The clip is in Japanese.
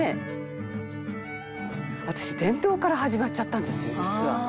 「私電動から始まっちゃったんですよ実は」